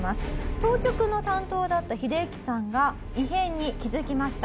当直の担当だったヒデユキさんが異変に気づきました。